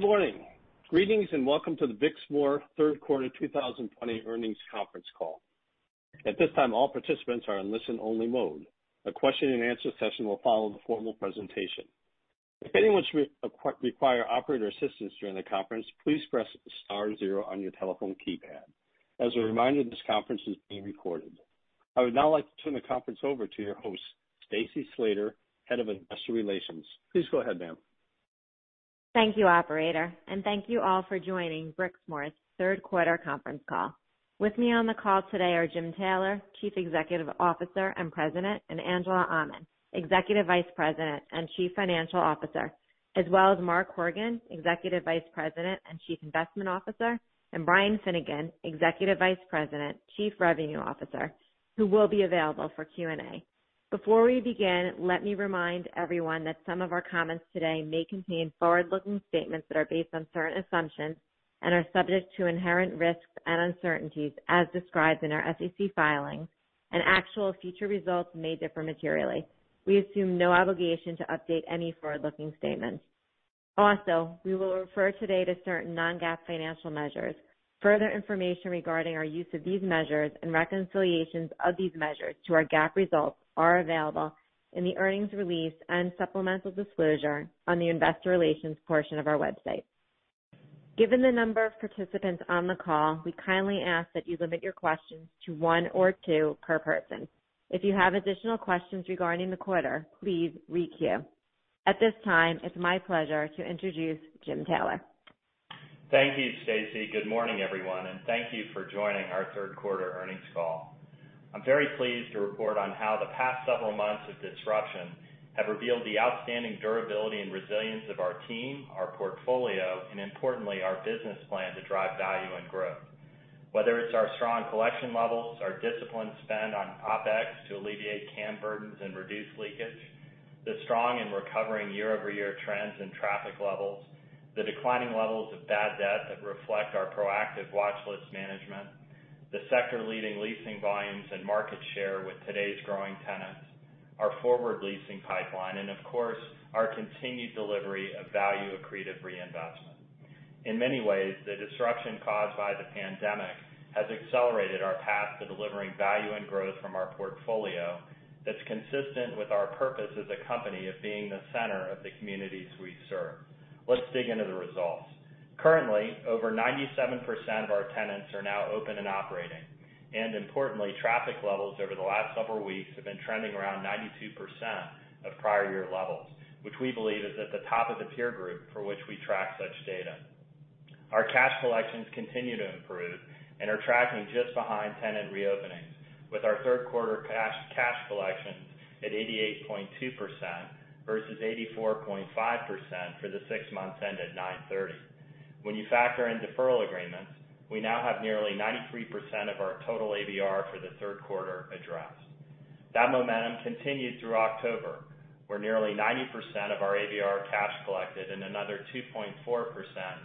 Good morning. Greetings and welcome to the Brixmor third quarter 2020 earnings conference call. At this time, all participants are in listen only mode. A question and answer session will follow the formal presentation. If anyone should require operator assistance during the conference, please press star zero on your telephone keypad. As a reminder, this conference is being recorded. I would now like to turn the conference over to your host, Stacy Slater, Head of Investor Relations. Please go ahead, ma'am. Thank you, operator, and thank you all for joining Brixmor's third quarter conference call. With me on the call today are James Taylor, Chief Executive Officer and President, and Angela Aman, Executive Vice President and Chief Financial Officer, as well as Mark Horgan, Executive Vice President and Chief Investment Officer, and Brian Finnegan, Executive Vice President, Chief Revenue Officer, who will be available for Q&A. Before we begin, let me remind everyone that some of our comments today may contain forward-looking statements that are based on certain assumptions and are subject to inherent risks and uncertainties as described in our SEC filings, and actual future results may differ materially. We assume no obligation to update any forward-looking statements. Also, we will refer today to certain non-GAAP financial measures. Further information regarding our use of these measures and reconciliations of these measures to our GAAP results are available in the earnings release and supplemental disclosure on the investor relations portion of our website. Given the number of participants on the call, we kindly ask that you limit your questions to one or two per person. If you have additional questions regarding the quarter, please re-queue. At this time, it's my pleasure to introduce James Taylor. Thank you, Stacy. Good morning, everyone, and thank you for joining our third quarter earnings call. I'm very pleased to report on how the past several months of disruption have revealed the outstanding durability and resilience of our team, our portfolio, and importantly, our business plan to drive value and growth. Whether it's our strong collection levels, our disciplined spend on OpEx to alleviate CAM burdens and reduce leakage, the strong and recovering year-over-year trends in traffic levels, the declining levels of bad debt that reflect our proactive watchlist management, the sector-leading leasing volumes and market share with today's growing tenants, our forward leasing pipeline, and of course, our continued delivery of value-accretive reinvestment. In many ways, the disruption caused by the pandemic has accelerated our path to delivering value and growth from our portfolio that's consistent with our purpose as a company of being the center of the communities we serve. Let's dig into the results. Currently, over 97% of our tenants are now open and operating. Importantly, traffic levels over the last several weeks have been trending around 92% of prior year levels, which we believe is at the top of the peer group for which we track such data. Our cash collections continue to improve and are tracking just behind tenant reopenings with our third quarter cash collections at 88.2% versus 84.5% for the six months ended 9/30. When you factor in deferral agreements, we now have nearly 93% of our total ABR for the third quarter addressed. That momentum continued through October, where nearly 90% of our ABR cash collected and another 2.4%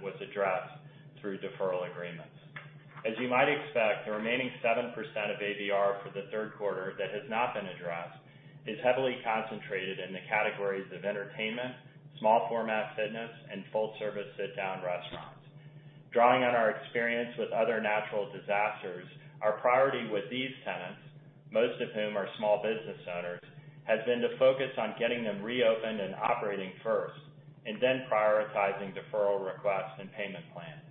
was addressed through deferral agreements. As you might expect, the remaining 7% of ABR for the third quarter that has not been addressed is heavily concentrated in the categories of entertainment, small format fitness, and full service sit-down restaurants. Drawing on our experience with other natural disasters, our priority with these tenants, most of whom are small business owners, has been to focus on getting them reopened and operating first, and then prioritizing deferral requests and payment plans.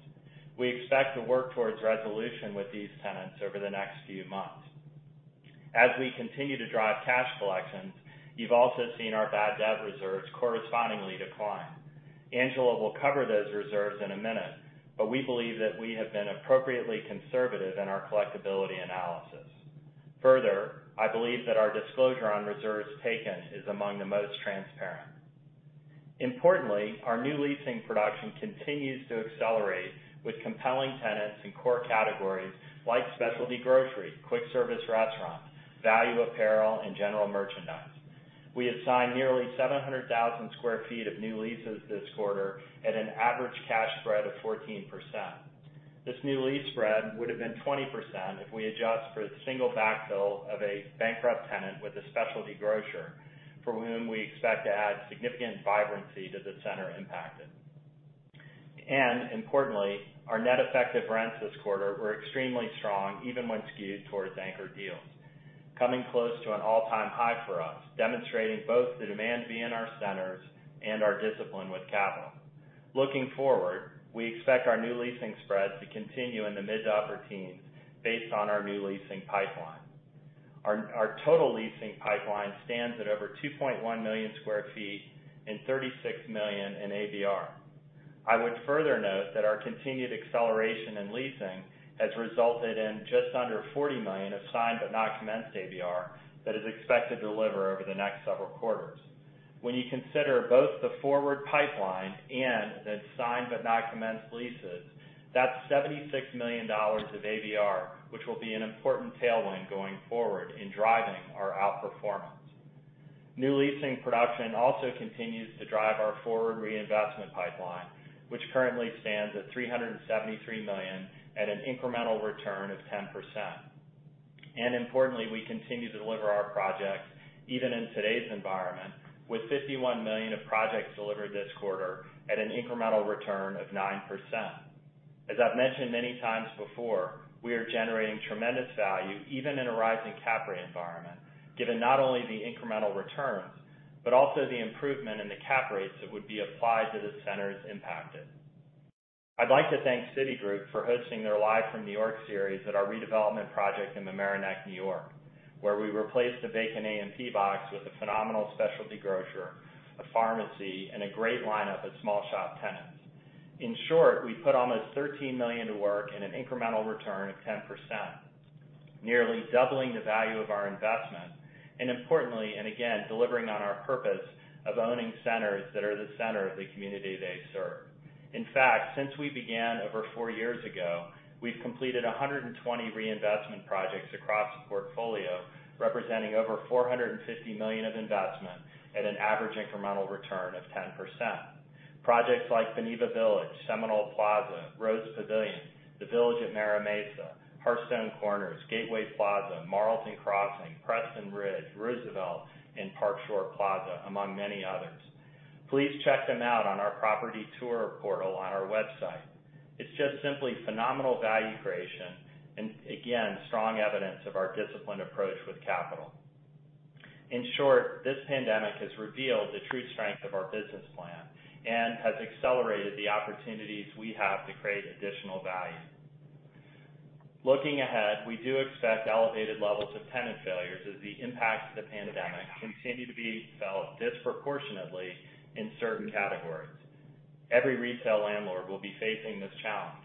We expect to work towards resolution with these tenants over the next few months. As we continue to drive cash collections, you've also seen our bad debt reserves correspondingly decline. Angela will cover those reserves in a minute, but we believe that we have been appropriately conservative in our collectibility analysis. Further, I believe that our disclosure on reserves taken is among the most transparent. Importantly, our new leasing production continues to accelerate with compelling tenants in core categories like specialty grocery, quick service restaurants, value apparel, and general merchandise. We had signed nearly 700,000 sq ft of new leases this quarter at an average cash spread of 14%. This new lease spread would have been 20% if we adjust for the single backfill of a bankrupt tenant with a specialty grocer, for whom we expect to add significant vibrancy to the center impacted. Importantly, our net effective rents this quarter were extremely strong, even when skewed towards anchor deals, coming close to an all-time high for us, demonstrating both the demand being in our centers and our discipline with capital. Looking forward, we expect our new leasing spreads to continue in the mid to upper teens based on our new leasing pipeline. Our total leasing pipeline stands at over 2.1 million sq ft and $36 million in ABR. I would further note that our continued acceleration in leasing has resulted in just under $40 million of signed but not commenced ABR that is expected to deliver over the next several quarters. When you consider both the forward pipeline and the signed but not commenced leases, that's $76 million of ABR, which will be an important tailwind going forward in driving our outperformance. New leasing production also continues to drive our forward reinvestment pipeline, which currently stands at $373 million at an incremental return of 10%. Importantly, we continue to deliver our projects even in today's environment, with $51 million of projects delivered this quarter at an incremental return of 9%. As I've mentioned many times before, we are generating tremendous value even in a rising cap rate environment, given not only the incremental returns, but also the improvement in the cap rates that would be applied to the centers impacted. I'd like to thank Citigroup for hosting their Live from New York series at our redevelopment project in Mamaroneck, N.Y., where we replaced a vacant A&P box with a phenomenal specialty grocer, a pharmacy, and a great lineup of small shop tenants. In short, we put almost $13 million to work in an incremental return of 10%, nearly doubling the value of our investment, and importantly, and again, delivering on our purpose of owning centers that are the center of the community they serve. In fact, since we began over four years ago, we've completed 120 reinvestment projects across the portfolio, representing over $450 million of investment at an average incremental return of 10%. Projects like Beneva Village, Seminole Plaza, Rose Pavilion, The Village at Mira Mesa, Hearthstone Corners, Gateway Plaza, Marlton Crossing, Preston Ridge, Roosevelt, and Park Shore Plaza, among many others. Please check them out on our property tour portal on our website. It's just simply phenomenal value creation and again, strong evidence of our disciplined approach with capital. In short, this pandemic has revealed the true strength of our business plan and has accelerated the opportunities we have to create additional value. Looking ahead, we do expect elevated levels of tenant failures as the impacts of the pandemic continue to be felt disproportionately in certain categories. Every retail landlord will be facing this challenge.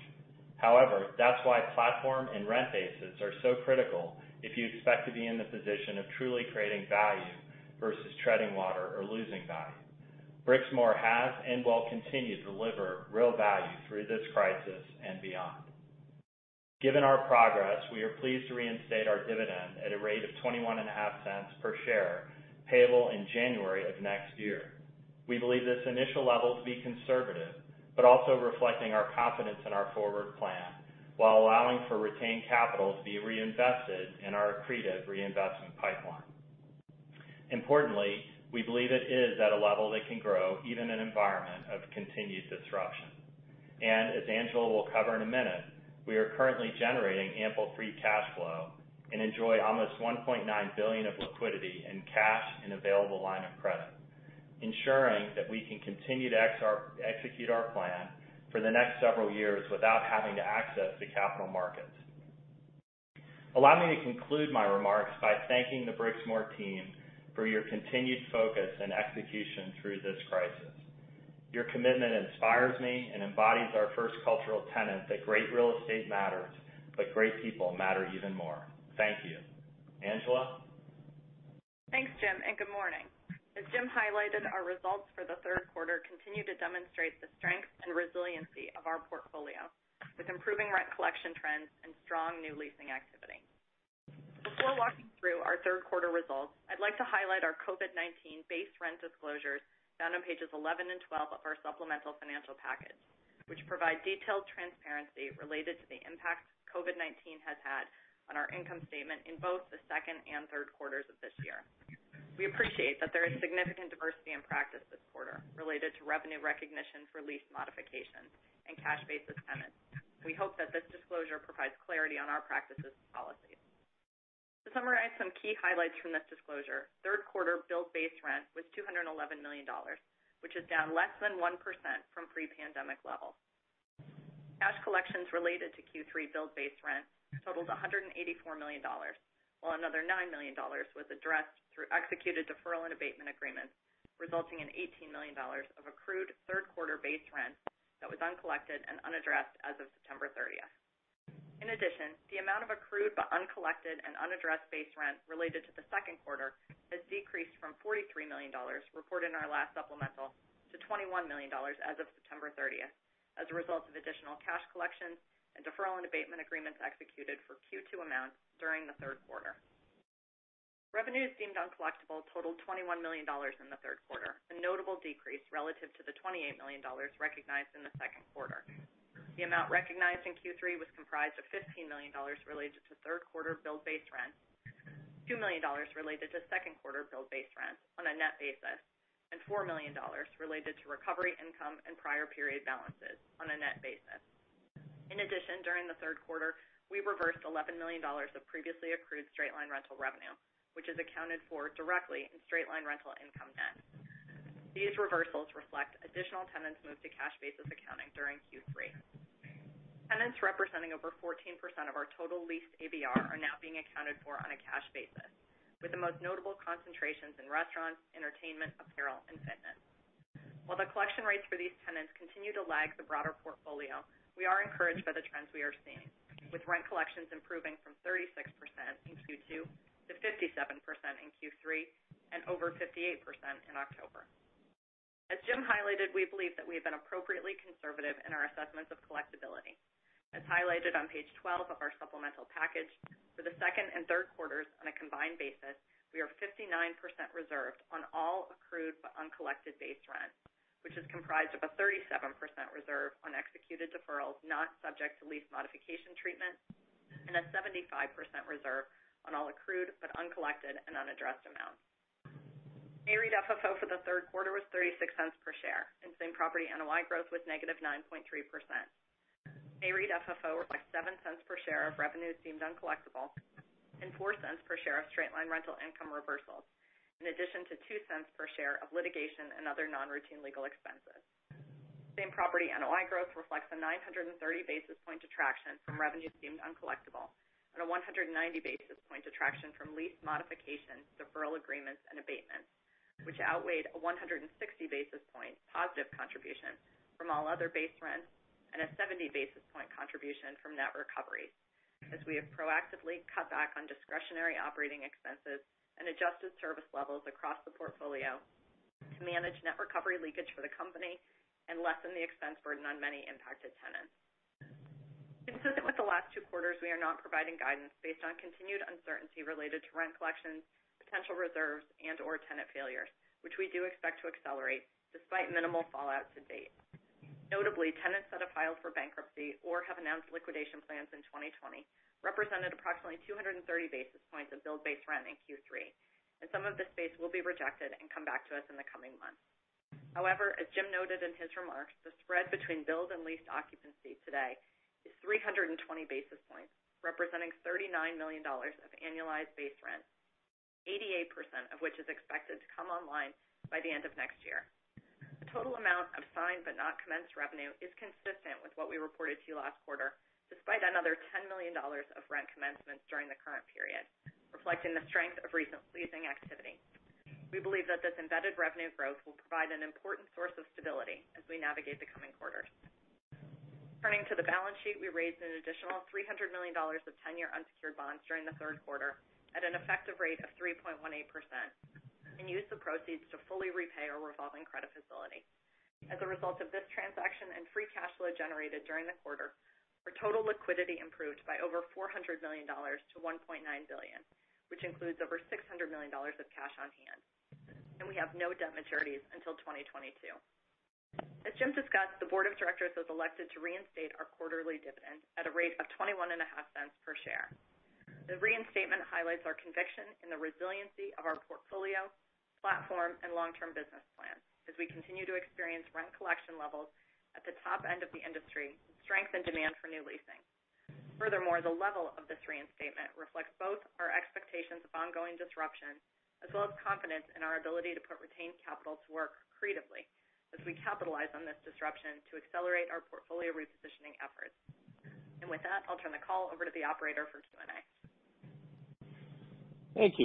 However, that's why platform and rent bases are so critical if you expect to be in the position of truly creating value versus treading water or losing value. Brixmor has and will continue to deliver real value through this crisis and beyond. Given our progress, we are pleased to reinstate our dividend at a rate of $0.215 per share, payable in January of next year. We believe this initial level to be conservative, but also reflecting our confidence in our forward plan while allowing for retained capital to be reinvested in our accretive reinvestment pipeline. Importantly, we believe it is at a level that can grow even in an environment of continued disruption. As Angela will cover in a minute, we are currently generating ample free cash flow and enjoy almost $1.9 billion of liquidity in cash and available line of credit, ensuring that we can continue to execute our plan for the next several years without having to access the capital markets. Allow me to conclude my remarks by thanking the Brixmor team for your continued focus and execution through this crisis. Your commitment inspires me and embodies our first cultural tenant that great real estate matters, but great people matter even more. Thank you. Angela? Thanks, James, and good morning. As James highlighted, our results for the third quarter continue to demonstrate the strength and resiliency of our portfolio with improving rent collection trends and strong new leasing activity. Before walking through our third quarter results, I'd like to highlight our COVID-19 base rent disclosures found on pages 11 and 12 of our supplemental financial package, which provide detailed transparency related to the impact COVID-19 has had on our income statement in both the second and third quarters of this year. We appreciate that there is significant diversity in practice this quarter related to revenue recognition for lease modifications and cash basis tenants. We hope that this disclosure provides clarity on our practices and policies. To summarize some key highlights from this disclosure, third quarter billed base rent was $211 million, which is down less than 1% from pre-pandemic levels. Cash collections related to Q3 billed base rent totals $184 million, while another $9 million was addressed through executed deferral and abatement agreements, resulting in $18 million of accrued third quarter base rent that was uncollected and unaddressed as of September 30th. In addition, the amount of accrued but uncollected and unaddressed base rent related to the second quarter has decreased from $43 million reported in our last supplemental to $21 million as of September 30th as a result of additional cash collections and deferral and abatement agreements executed for Q2 amounts during the third quarter. Revenues deemed uncollectible totaled $21 million in the third quarter, a notable decrease relative to the $28 million recognized in the second quarter. The amount recognized in Q3 was comprised of $15 million related to third quarter billed base rent, $2 million related to second quarter billed base rent on a net basis, and $4 million related to recovery income and prior period balances on a net basis. In addition, during the third quarter, we reversed $11 million of previously accrued straight-line rental revenue, which is accounted for directly in straight-line rental income net. These reversals reflect additional tenants moved to cash basis accounting during Q3. Tenants representing over 14% of our total leased ABR are now being accounted for on a cash basis, with the most notable concentrations in restaurants, entertainment, apparel, and fitness. While the collection rates for these tenants continue to lag the broader portfolio, we are encouraged by the trends we are seeing, with rent collections improving from 36% in Q2 to 57% in Q3 and over 58% in October. As James highlighted, we believe that we have been appropriately conservative in our assessments of collectibility. As highlighted on page 12 of our supplemental package, for the second and third quarters on a combined basis, we are 59% reserved on all accrued but uncollected base rent, which is comprised of a 37% reserve on executed deferrals, not subject to lease modification treatment, and a 75% reserve on all accrued but uncollected and unaddressed amounts. NAREIT FFO for the third quarter was $0.36 per share, and same property NOI growth was -9.3%. NAREIT FFO reflects $0.07 per share of revenues deemed uncollectible and $0.04 per share of straight-line rental income reversals, in addition to $0.02 per share of litigation and other non-routine legal expenses. Same property NOI growth reflects a 930 basis point detraction from revenues deemed uncollectible, and a 190 basis point detraction from lease modification, deferral agreements, and abatements, which outweighed a 160 basis point positive contribution from all other base rents, and a 70 basis point contribution from net recovery, as we have proactively cut back on discretionary operating expenses and adjusted service levels across the portfolio to manage net recovery leakage for the company and lessen the expense burden on many impacted tenants. Consistent with the last two quarters, we are not providing guidance based on continued uncertainty related to rent collection, potential reserves, and/or tenant failures, which we do expect to accelerate despite minimal fallout to date. Notably, tenants that have filed for bankruptcy or have announced liquidation plans in 2020 represented approximately 230 basis points of billed base rent in Q3, and some of this space will be rejected and come back to us in the coming months. As James noted in his remarks, the spread between billed and leased occupancy today is 320 basis points, representing $39 million of annualized base rent, 88% of which is expected to come online by the end of next year. The total amount of signed but not commenced revenue is consistent with what we reported to you last quarter, despite another $10 million of rent commencement during the current period, reflecting the strength of recent leasing activity. We believe that this embedded revenue growth will provide an important source of stability as we navigate the coming quarters. Turning to the balance sheet, we raised an additional $300 million of 10-year unsecured bonds during the third quarter at an effective rate of 3.18%, and used the proceeds to fully repay our revolving credit facility. As a result of this transaction and free cash flow generated during the quarter, our total liquidity improved by over $400 million to $1.9 billion, which includes over $600 million of cash on hand, and we have no debt maturities until 2022. As James discussed, the board of directors has elected to reinstate our quarterly dividend at a rate of $0.215 per share. The reinstatement highlights our conviction in the resiliency of our portfolio, platform, and long-term business plan as we continue to experience rent collection levels at the top end of the industry and strength and demand for new leasing. The level of this reinstatement reflects both our expectations of ongoing disruption, as well as confidence in our ability to put retained capital to work creatively as we capitalize on this disruption to accelerate our portfolio repositioning efforts. With that, I'll turn the call over to the operator for Q&A. Thank you.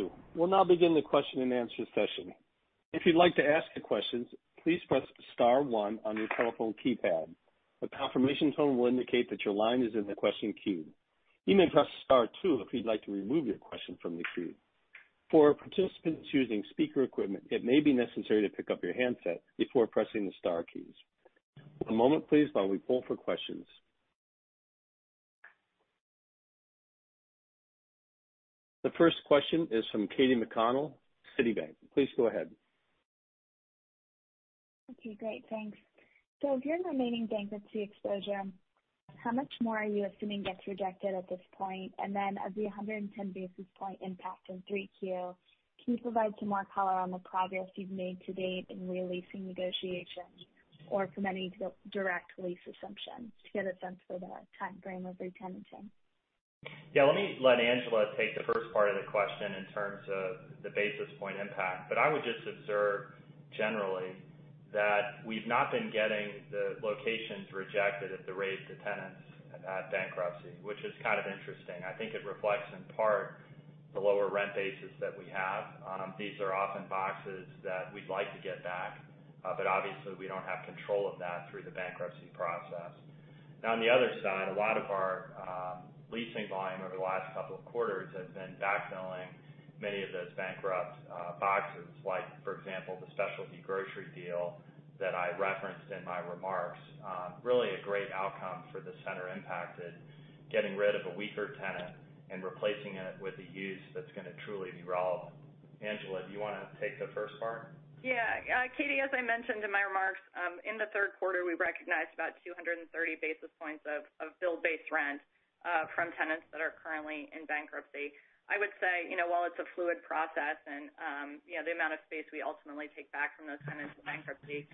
The first question is from Katy McConnell, Citigroup. Please go ahead. Okay, great. Thanks. If your remaining bankruptcy exposure, how much more are you assuming gets rejected at this point? Of the 110 basis point impact in Q3, can you provide some more color on the progress you've made to date in re-leasing negotiations or from any direct lease assumption to get a sense for the timeframe of re-tenanting? Yeah. Let me let Angela take the first part of the question in terms of the basis point impact, but I would just observe generally that we've not been getting the locations rejected at the rate the tenants have had bankruptcy, which is kind of interesting. I think it reflects in part the lower rent basis that we have. These are often boxes that we'd like to get back, but obviously we don't have control of that through the bankruptcy process. Now on the other side, a lot of our leasing volume over the last couple of quarters has been backfilling many of those bankrupt boxes. Like for example, the specialty grocery deal that I referenced in my remarks. Really a great outcome for the center impacted, getting rid of a weaker tenant and replacing it with a use that's going to truly be relevant. Angela, do you want to take the first part? Yeah. Katy, as I mentioned in my remarks, in the third quarter, we recognized about 230 basis points of bill base rent from tenants that are currently in bankruptcy. I would say, while it's a fluid process and the amount of space we ultimately take back from those tenants in bankruptcy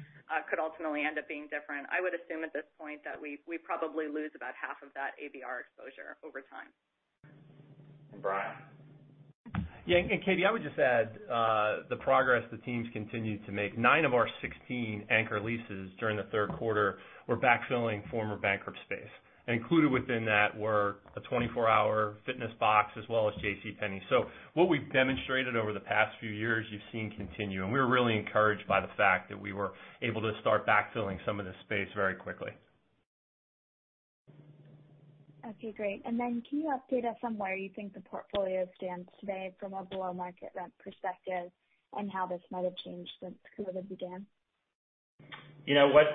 could ultimately end up being different, I would assume at this point that we probably lose about half of that ABR exposure over time. Brian. Katy, I would just add the progress the team's continued to make. Nine of our 16 anchor leases during the third quarter were backfilling former bankrupt space. Included within that were a 24 Hour Fitness box as well as JCPenney. What we've demonstrated over the past few years, you've seen continue, and we were really encouraged by the fact that we were able to start backfilling some of the space very quickly. Okay, great. Can you update us on where you think the portfolio stands today from a below-market rent perspective, and how this might have changed since COVID began?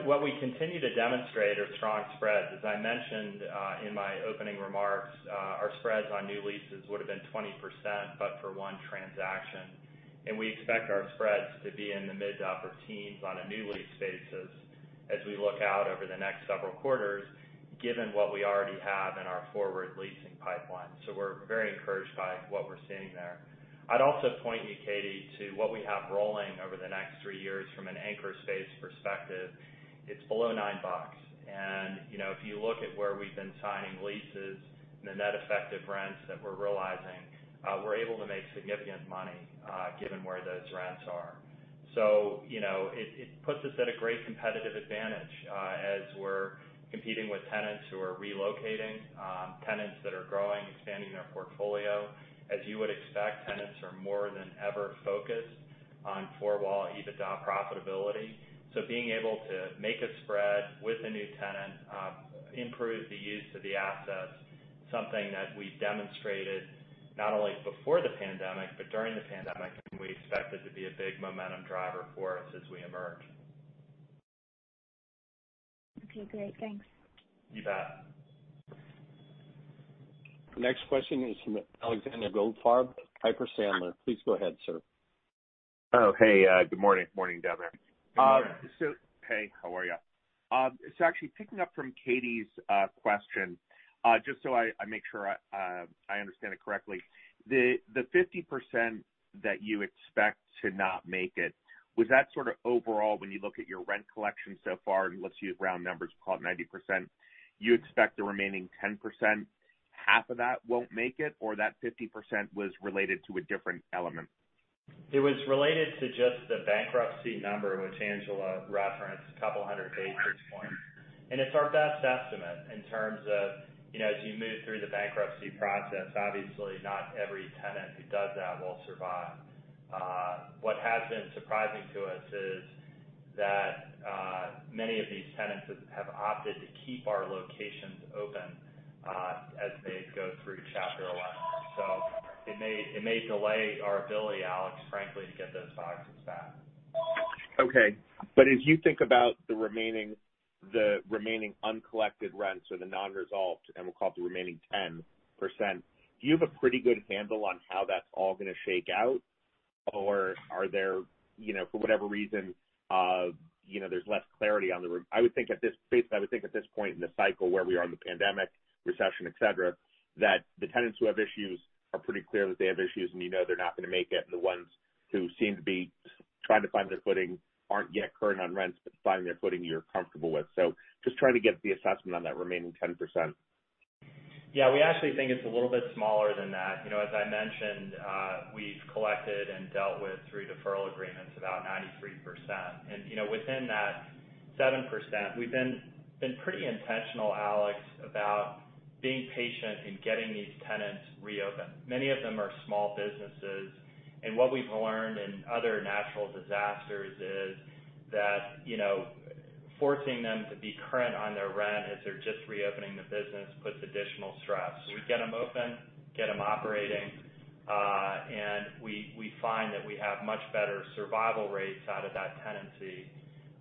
What we continue to demonstrate are strong spreads. As I mentioned in my opening remarks, our spreads on new leases would've been 20%, but for one transaction We expect our spreads to be in the mid to upper teens on a new lease basis as we look out over the next several quarters, given what we already have in our forward leasing pipeline. We're very encouraged by what we're seeing there. I'd also point you, Katy, to what we have rolling over the next three years from an anchor space perspective. It's below $9. If you look at where we've been signing leases and the net effective rents that we're realizing, we're able to make significant money, given where those rents are. It puts us at a great competitive advantage, as we're competing with tenants who are relocating, tenants that are growing, expanding their portfolio. As you would expect, tenants are more than ever focused on four-wall EBITDA profitability. Being able to make a spread with a new tenant, improves the use of the assets, something that we've demonstrated not only before the pandemic, but during the pandemic, and we expect it to be a big momentum driver for us as we emerge. Okay, great. Thanks. You bet. Next question is from Alexander Goldfarb, Piper Sandler. Please go ahead, sir. Oh, hey. Good morning. Morning, Devin. Good morning. Hey, how are you? Actually picking up from Katy's question, just so I make sure I understand it correctly. The 50% that you expect to not make it, was that sort of overall when you look at your rent collection so far, and let's use round numbers, call it 90%, you expect the remaining 10%, half of that won't make it? Or that 50% was related to a different element? It was related to just the bankruptcy number, which Angela referenced, a couple hundred basis points. It's our best estimate in terms of as you move through the bankruptcy process, obviously not every tenant who does that will survive. What has been surprising to us is that many of these tenants have opted to keep our locations open as they go through Chapter 11. It may delay our ability, Alex, frankly, to get those dollars back. Okay. As you think about the remaining uncollected rents or the non-resolved, and we'll call it the remaining 10%, do you have a pretty good handle on how that's all going to shake out? Are there, for whatever reason, there's less clarity? I would think at this point in the cycle where we are in the pandemic, recession, et cetera, that the tenants who have issues are pretty clear that they have issues and you know they're not going to make it. The ones who seem to be trying to find their footing aren't yet current on rents, but finding their footing you're comfortable with. Just trying to get the assessment on that remaining 10%. Yeah, we actually think it's a little bit smaller than that. As I mentioned, we've collected and dealt with, through deferral agreements, about 93%. Within that 7%, we've been pretty intentional, Alex, about being patient and getting these tenants reopened. Many of them are small businesses. What we've learned in other natural disasters is that forcing them to be current on their rent as they're just reopening the business puts additional stress. We get them open, get them operating, and we find that we have much better survival rates out of that tenancy,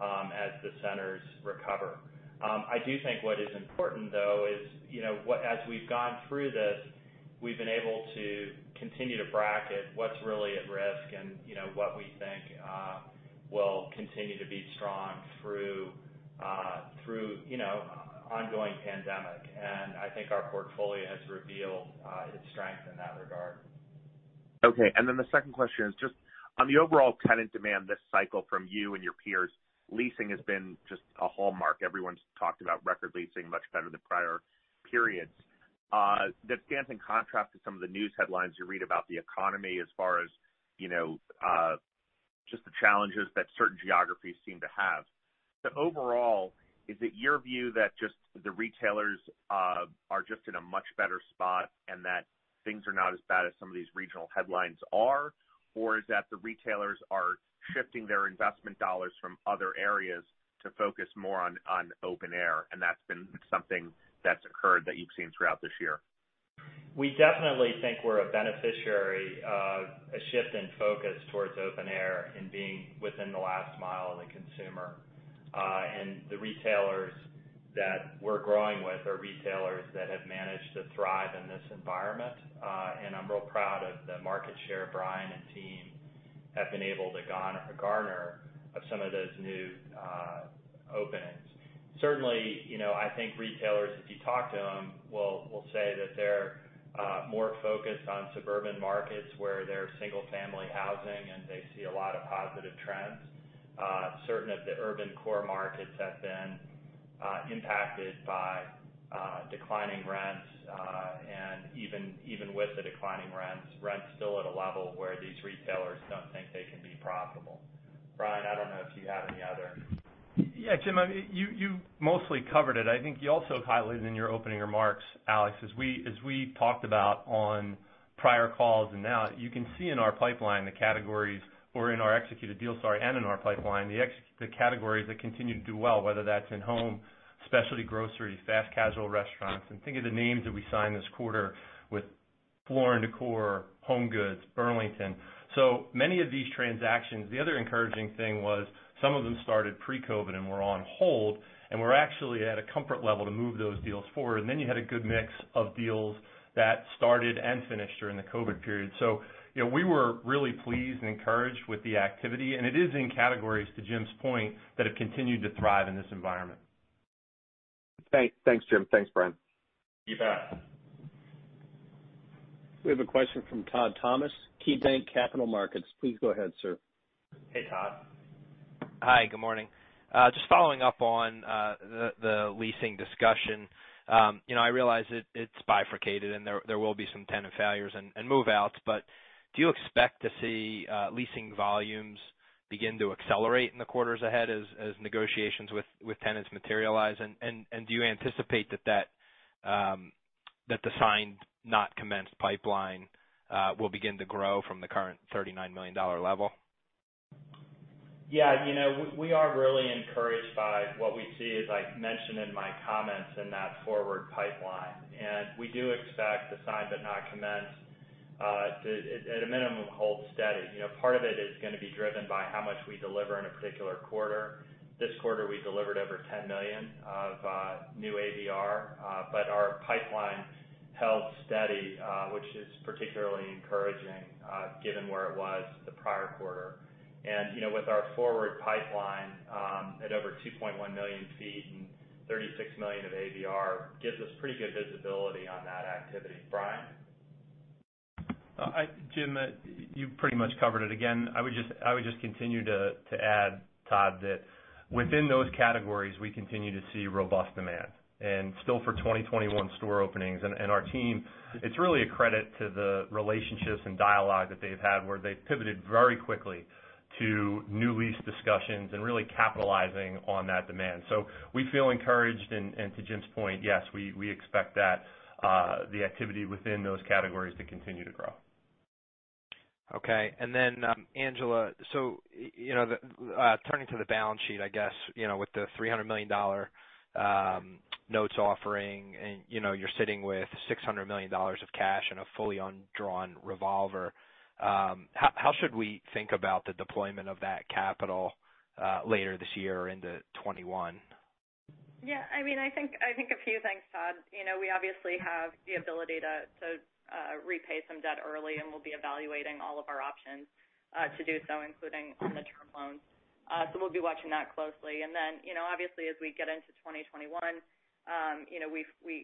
as the centers recover. I do think what is important though is, as we've gone through this, we've been able to continue to bracket what's really at risk and what we think will continue to be strong through ongoing pandemic. I think our portfolio has revealed its strength in that regard. Okay. The second question is just on the overall tenant demand this cycle from you and your peers, leasing has been just a hallmark. Everyone's talked about record leasing much better than prior periods. That stands in contrast to some of the news headlines you read about the economy as far as just the challenges that certain geographies seem to have. Overall, is it your view that just the retailers are just in a much better spot and that things are not as bad as some of these regional headlines are? Is that the retailers are shifting their investment dollars from other areas to focus more on open air, and that's been something that's occurred that you've seen throughout this year? We definitely think we're a beneficiary of a shift in focus towards open air and being within the last mile of the consumer. The retailers that we're growing with are retailers that have managed to thrive in this environment. I'm real proud of the market share Brian and team have been able to garner of some of those new openings. Certainly, I think retailers, if you talk to them, will say that they're more focused on suburban markets where there are single-family housing, and they see a lot of positive trends. Certain of the urban core markets have been impacted by declining rents. Even with the declining rents, rent's still at a level where these retailers don't think they can be profitable. Brian, I don't know if you have any other Yeah, James, you mostly covered it. I think you also highlighted in your opening remarks, Alex, as we talked about on prior calls and now, you can see in our pipeline the categories or in our executed deals, sorry, and in our pipeline, the categories that continue to do well, whether that's in home, specialty grocery, fast casual restaurants. Think of the names that we signed this quarter with Floor & Decor, HomeGoods, Burlington. Many of these transactions, the other encouraging thing was some of them started pre-COVID and were on hold, and we're actually at a comfort level to move those deals forward. You had a good mix of deals that started and finished during the COVID period. We were really pleased and encouraged with the activity, and it is in categories, to James's point, that have continued to thrive in this environment. Thanks, James. Thanks, Brian. You bet. We have a question from Todd Thomas, KeyBanc Capital Markets. Please go ahead, sir. Hey, Todd. Hi. Good morning. Just following up on the leasing discussion. I realize it's bifurcated, and there will be some tenant failures and move-outs, but do you expect to see leasing volumes begin to accelerate in the quarters ahead as negotiations with tenants materialize? Do you anticipate that the signed, not commenced pipeline will begin to grow from the current $39 million level? Yeah. We are really encouraged by what we see, as I mentioned in my comments, in that forward pipeline. We do expect the signed but not commenced, at a minimum, hold steady. Part of it is going to be driven by how much we deliver in a particular quarter. This quarter, we delivered over $10 million of new ABR, but our pipeline held steady, which is particularly encouraging given where it was the prior quarter. With our forward pipeline at over 2.1 million feet and $36 million of ABR, gives us pretty good visibility on that activity. Brian? James, you pretty much covered it. Again, I would just continue to add, Todd, that within those categories, we continue to see robust demand. Still for 2021 store openings. Our team, it's really a credit to the relationships and dialogue that they've had, where they've pivoted very quickly to new lease discussions and really capitalizing on that demand. We feel encouraged, and to James's point, yes, we expect that the activity within those categories to continue to grow. Okay. Angela, turning to the balance sheet, I guess, with the $300 million notes offering, and you're sitting with $600 million of cash in a fully undrawn revolver. How should we think about the deployment of that capital later this year into 2021? I think a few things, Todd. We obviously have the ability to repay some debt early, and we'll be evaluating all of our options to do so, including on the term loans. We'll be watching that closely. Then, obviously, as we get into 2021, we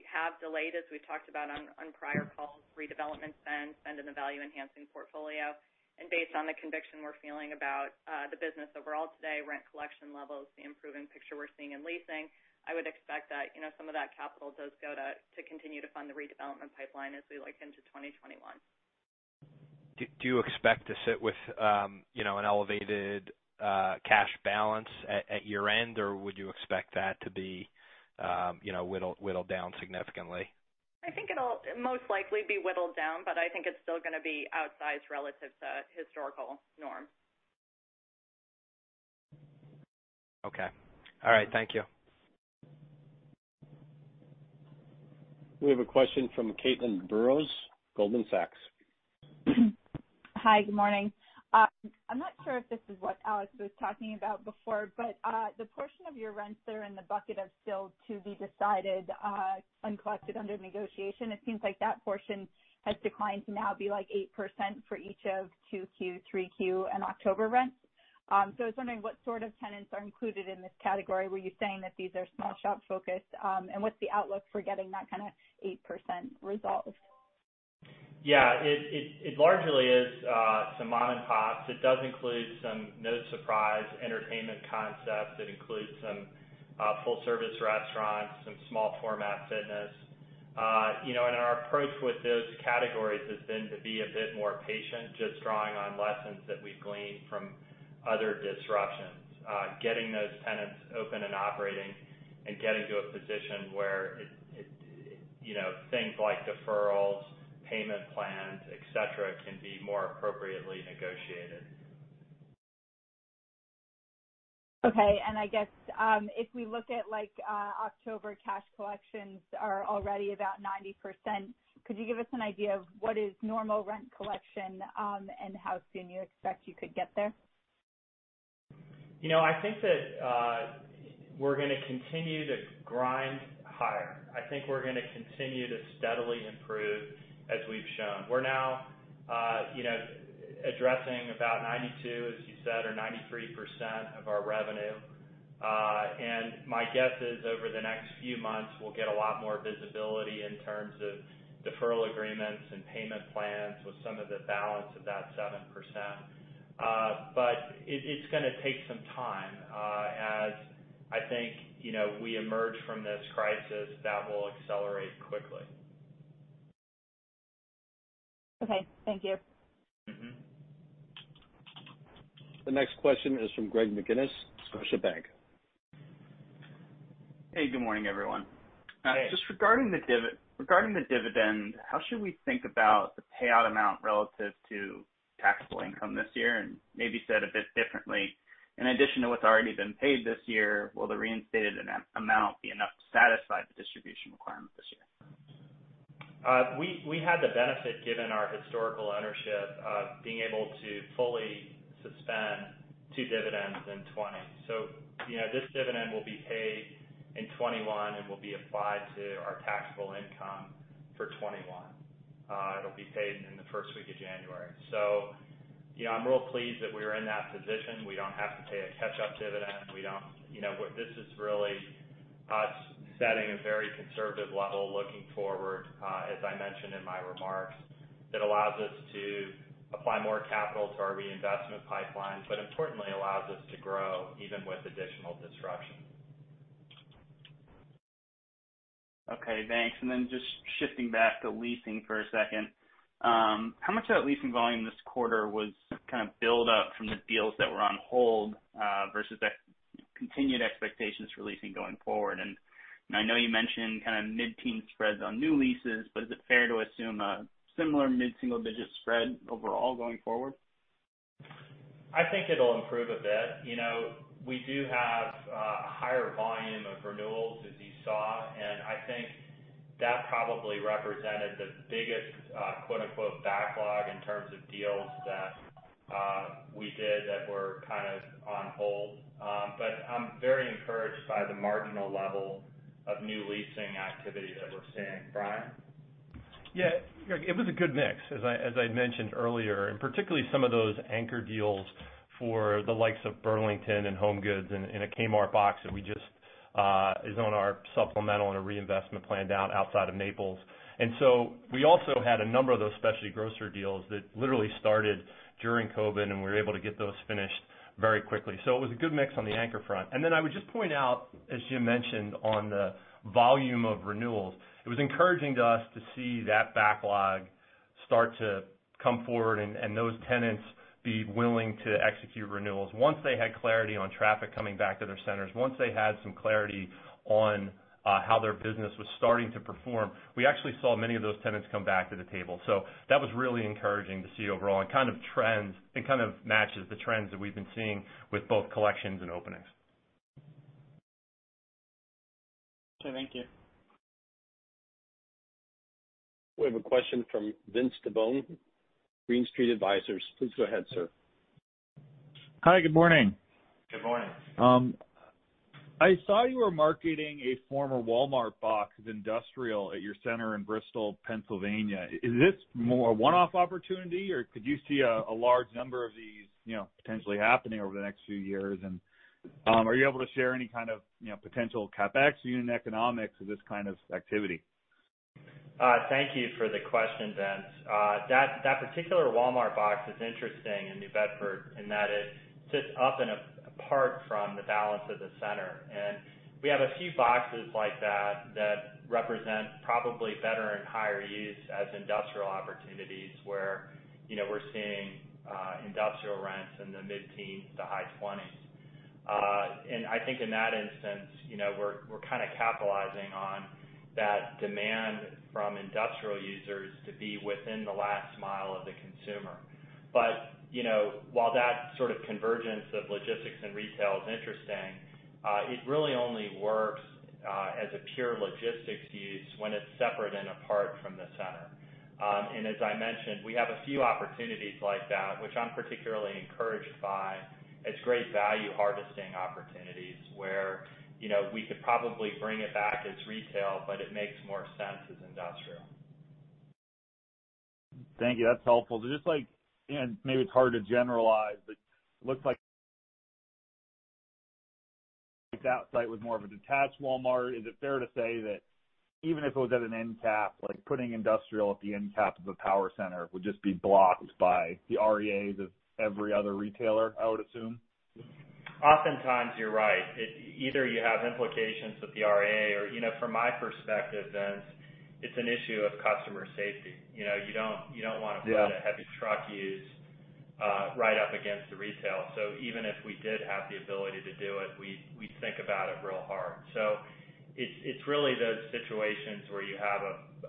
have delayed, as we've talked about on prior calls, redevelopment spend in the value-enhancing portfolio. Based on the conviction we're feeling about the business overall today, rent collection levels, the improving picture we're seeing in leasing, I would expect that some of that capital does go to continue to fund the redevelopment pipeline as we look into 2021. Do you expect to sit with an elevated cash balance at year-end, or would you expect that to be whittled down significantly? I think it'll most likely be whittled down, but I think it's still going to be outsized relative to historical norms. Okay. All right. Thank you. We have a question from Caitlin Burrows, Goldman Sachs. Hi. Good morning. I am not sure if this is what Alex was talking about before, the portion of your rents that are in the bucket of still to be decided, uncollected under negotiation, it seems like that portion has declined to now be 8% for each of Q2, Q3, and October rents. I was wondering what sort of tenants are included in this category. Were you saying that these are small shop focused? What's the outlook for getting that kind of 8% resolved? Yeah. It largely is some mom and pops. It does include some no surprise entertainment concepts. It includes some full-service restaurants, some small format fitness. Our approach with those categories has been to be a bit more patient, just drawing on lessons that we've gleaned from other disruptions. Getting those tenants open and operating and getting to a position where things like deferrals, payment plans, et cetera, can be more appropriately negotiated. Okay. I guess, if we look at October cash collections are already about 90%, could you give us an idea of what is normal rent collection, and how soon you expect you could get there? I think that we're going to continue to grind higher. I think we're going to continue to steadily improve as we've shown. We're now addressing about 92%, as you said, or 93% of our revenue. My guess is over the next few months, we'll get a lot more visibility in terms of deferral agreements and payment plans with some of the balance of that 7%. It's going to take some time. As I think we emerge from this crisis, that will accelerate quickly. Okay. Thank you. The next question is from Greg McGinniss, Scotiabank. Hey, good morning, everyone. Hey. Just regarding the dividend, how should we think about the payout amount relative to taxable income this year? Maybe said a bit differently, in addition to what's already been paid this year, will the reinstated amount be enough to satisfy the distribution requirement? We had the benefit, given our historical ownership, of being able to fully suspend two dividends in 2020. This dividend will be paid in 2021 and will be applied to our taxable income for 2021. It'll be paid in the first week of January. I'm real pleased that we are in that position. We don't have to pay a catch-up dividend. This is really us setting a very conservative level looking forward, as I mentioned in my remarks, that allows us to apply more capital to our reinvestment pipeline, but importantly allows us to grow even with additional disruption. Okay, thanks. Just shifting back to leasing for a second. How much of that leasing volume this quarter was kind of build up from the deals that were on hold, versus the continued expectations for leasing going forward? I know you mentioned kind of mid-teen spreads on new leases, but is it fair to assume a similar mid-single-digit spread overall going forward? I think it'll improve a bit. We do have a higher volume of renewals, as you saw. I think that probably represented the biggest "backlog" in terms of deals that we did that were kind of on hold. I'm very encouraged by the marginal level of new leasing activity that we're seeing. Brian? Yeah, it was a good mix, as I mentioned earlier. Particularly some of those anchor deals for the likes of Burlington and HomeGoods and a Kmart box that is on our supplemental and a reinvestment plan down outside of Naples. We also had a number of those specialty grocer deals that literally started during COVID, and we were able to get those finished very quickly. It was a good mix on the anchor front. Then I would just point out, as James mentioned, on the volume of renewals, it was encouraging to us to see that backlog start to come forward and those tenants be willing to execute renewals. Once they had clarity on traffic coming back to their centers, once they had some clarity on how their business was starting to perform, we actually saw many of those tenants come back to the table. That was really encouraging to see overall and kind of matches the trends that we've been seeing with both collections and openings. Okay, thank you. We have a question from Vince Tibone, Green Street Advisors. Please go ahead, sir. Hi, good morning. Good morning. I saw you were marketing a former Walmart box as industrial at your center in Bristol, Pennsylvania. Is this more a one-off opportunity, or could you see a large number of these potentially happening over the next few years? Are you able to share any kind of potential CapEx unit economics of this kind of activity? Thank you for the question, Vince. That particular Walmart box is interesting in New Bedford, in that it sits up and apart from the balance of the center. We have a few boxes like that represent probably better and higher use as industrial opportunities, where we're seeing industrial rents in the mid-teens to high 20s. I think in that instance, we're kind of capitalizing on that demand from industrial users to be within the last mile of the consumer. While that sort of convergence of logistics and retail is interesting, it really only works as a pure logistics use when it's separate and apart from the center. As I mentioned, we have a few opportunities like that, which I'm particularly encouraged by as great value harvesting opportunities, where we could probably bring it back as retail, but it makes more sense as industrial. Thank you. That's helpful. Just like, maybe it's hard to generalize, but it looks like that site was more of a detached Walmart. Is it fair to say that even if it was at an end cap, like putting industrial at the end cap of a power center would just be blocked by the REAs of every other retailer, I would assume? Oftentimes, you're right. Either you have implications with the REA or from my perspective, Vince, it's an issue of customer safety. Yeah put a heavy truck use right up against the retail. Even if we did have the ability to do it, we'd think about it real hard. It's really those situations where you have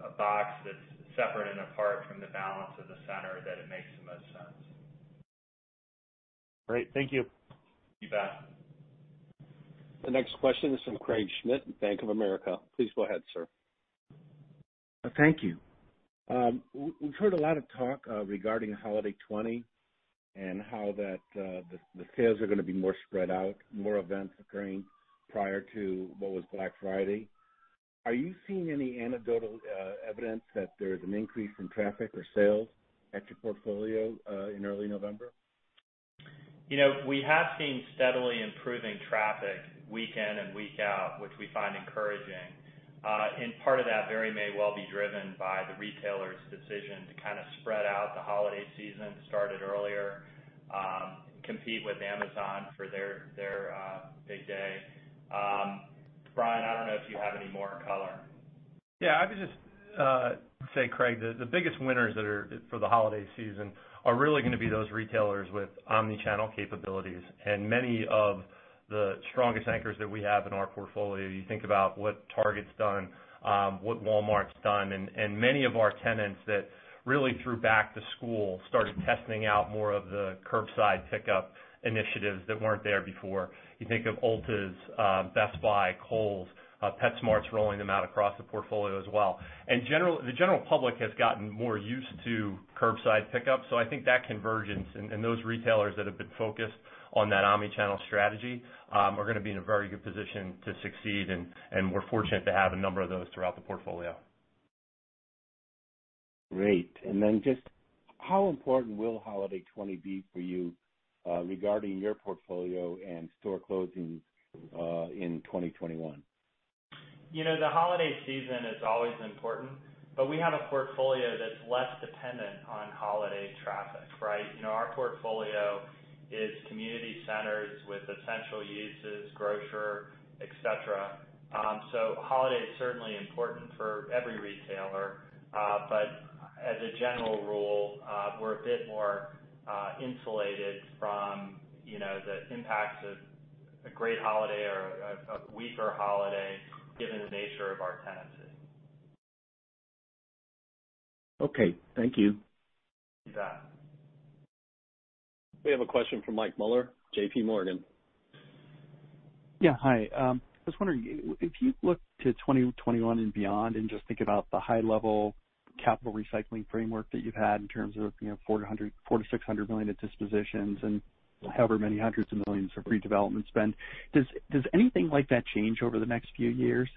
a box that's separate and apart from the balance of the center that it makes the most sense. Great. Thank you. You bet. The next question is from Craig Schmidt, Bank of America. Please go ahead, sir. Thank you. We've heard a lot of talk regarding holiday 2020 and how the sales are going to be more spread out, more events occurring prior to what was Black Friday. Are you seeing any anecdotal evidence that there's an increase in traffic or sales at your portfolio in early November? We have seen steadily improving traffic week in and week out, which we find encouraging. Part of that very may well be driven by the retailers' decision to kind of spread out the holiday season, start it earlier, compete with Amazon for their big day. Brian, I don't know if you have any more color. Yeah, I would just say, Craig, the biggest winners for the holiday season are really going to be those retailers with omni-channel capabilities. Many of the strongest anchors that we have in our portfolio, you think about what Target's done, what Walmart's done, and many of our tenants that really through back to school, started testing out more of the curbside pickup initiatives that weren't there before. You think of Ulta's, Best Buy, Kohl's, PetSmart's rolling them out across the portfolio as well. The general public has gotten more used to curbside pickup. I think that convergence and those retailers that have been focused on that omni-channel strategy are going to be in a very good position to succeed. We're fortunate to have a number of those throughout the portfolio. Great. Just how important will holiday 2020 be for you, regarding your portfolio and store closings in 2021? The holiday season is always important, but we have a portfolio that's less dependent on holiday traffic, right? Our portfolio is community centers with essential uses, grocer, et cetera. Holiday is certainly important for every retailer. As a general rule, we're a bit more insulated from the impacts of a great holiday or a weaker holiday, given the nature of our tenancy. Okay. Thank you. You bet. We have a question from Michael Mueller, JPMorgan Chase. Yeah. Hi. I was wondering, if you look to 2021 and beyond, and just think about the high level capital recycling framework that you've had in terms of $400 million-$600 million in dispositions and however many hundreds of millions of redevelopment spend, does anything like that change over the next few years?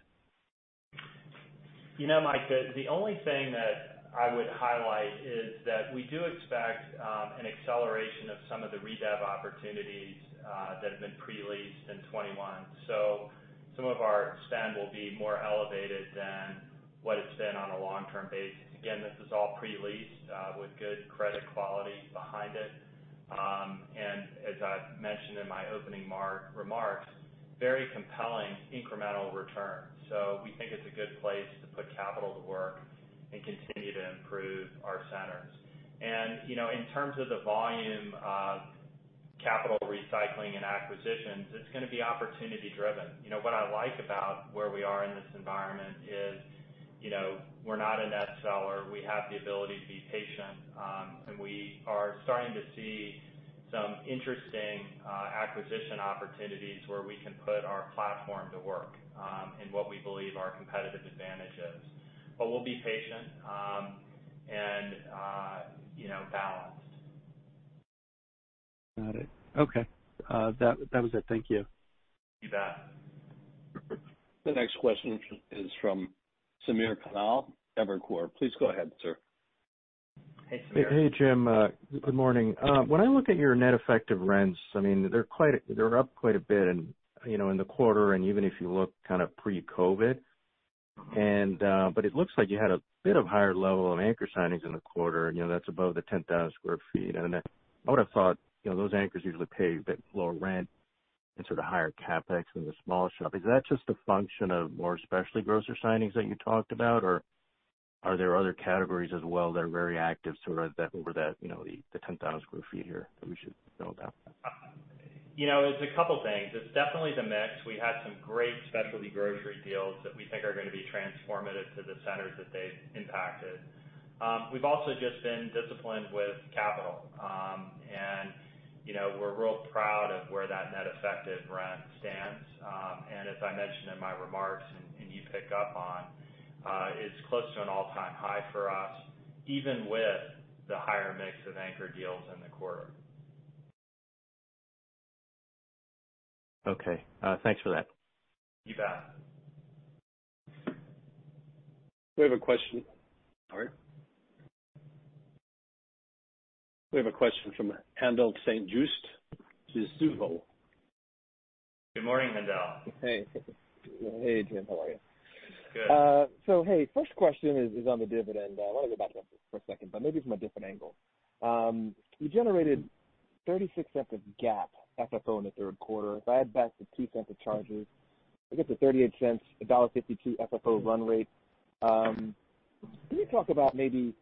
Mike, the only thing that I would highlight is that we do expect an acceleration of some of the redev opportunities that have been pre-leased in 2021. Some of our spend will be more elevated than what it's been on a long-term basis. Again, this is all pre-leased, with good credit quality behind it, and as I've mentioned in my opening remarks, very compelling incremental return. We think it's a good place to put capital to work and continue to improve our centers. In terms of the volume of capital recycling and acquisitions, it's going to be opportunity driven. What I like about where we are in this environment is, we're not a net seller. We have the ability to be patient. We are starting to see some interesting acquisition opportunities where we can put our platform to work, in what we believe our competitive advantage is. We'll be patient and balanced. Got it. Okay. That was it. Thank you. You bet. The next question is from Samir Khanal, Evercore. Please go ahead, sir. Hey, Samir. Hey, James. Good morning. When I look at your net effective rents, they're up quite a bit in the quarter and even if you look kind of pre-COVID. It looks like you had a bit of higher level of anchor signings in the quarter, and that's above the 10,000 square feet. I would've thought those anchors usually pay a bit lower rent and sort of higher CapEx than the small shop. Is that just a function of more specialty grocer signings that you talked about, or are there other categories as well that are very active sort of over the 10,000 square feet here that we should know about? It's a couple things. It's definitely the mix. We had some great specialty grocery deals that we think are going to be transformative to the centers that they've impacted. We've also just been disciplined with capital. We're real proud of where that net effective rent stands. As I mentioned in my remarks, and you pick up on, it's close to an all-time high for us, even with the higher mix of anchor deals in the quarter. Okay. Thanks for that. You bet. We have a question from Haendel St. Juste. Good morning, Haendel. Hey. Hey, James. How are you? Good. Hey, first question is on the dividend. I want to go back to that for a second, but maybe from a different angle. You generated $0.36 of GAAP FFO in the third quarter. If I add back the $0.02 of charges, I get to $0.38, a $1.52 FFO run rate. Can you talk about maybe,